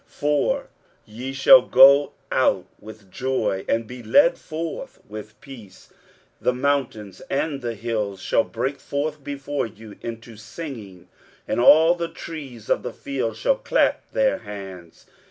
23:055:012 For ye shall go out with joy, and be led forth with peace: the mountains and the hills shall break forth before you into singing, and all the trees of the field shall clap their hands.